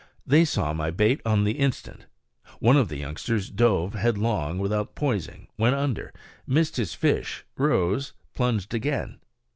They saw my bait on the instant. One of the youngsters dove headlong without poising, went under, missed his fish, rose, plunged again.